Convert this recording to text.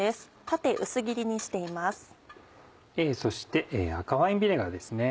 そして赤ワインビネガーですね。